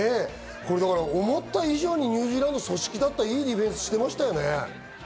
思った以上にニュージーランド組織立った、いい動きしてましたよね。